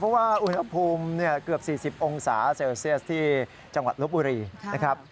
เพราะว่าอุณหภูมิเกือบ๔๐องศาเซลเซียสที่จังหวัดลบบุรีนะครับ